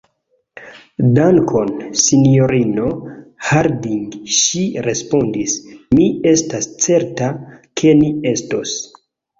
Dankon, sinjorino Harding, ŝi respondis, mi estas certa, ke ni estos.